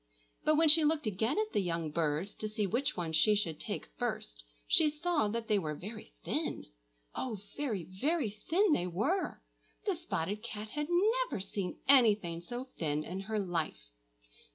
But when she looked again at the young birds, to see which one she should take first, she saw that they were very thin,—oh, very, very thin they were! The spotted cat had never seen anything so thin in her life.